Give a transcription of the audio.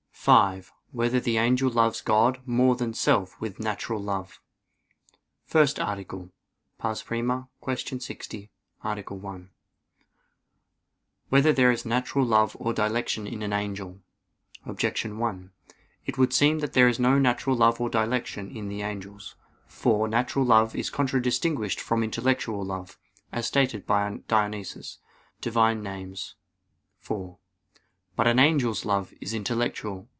(5) Whether the angel loves God more than self with natural love? _______________________ FIRST ARTICLE [I, Q. 60, Art. 1] Whether There Is Natural Love or Dilection in an Angel? Objection 1: It would seem that there is no natural love or dilection in the angels. For, natural love is contradistinguished from intellectual love, as stated by Dionysius (Div. Nom. iv). But an angel's love is intellectual.